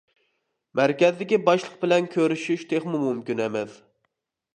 مەركەزدىكى باشلىق بىلەن كۆرۈشۈش تېخىمۇ مۇمكىن ئەمەس.